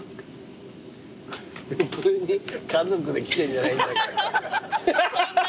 普通に家族で来てんじゃないんだから。